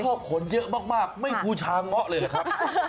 ขนเยอะมากไม่บูชาเงาะเลยนะครับ